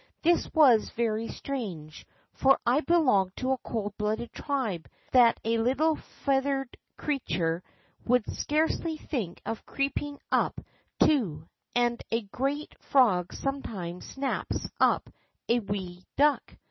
This was very strange, for 1 belong to a cold blooded tribe that a little feath ered creature would scarcely think of creeping up to, and a great frog sometimes snaps up a wee duck.